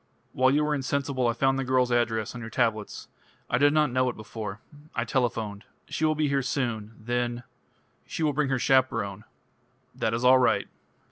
"While you were insensible I found the girl's address on your tablets. I did not know it before. I telephoned. She will be here soon. Then " "She will bring her chaperone." "That is all right."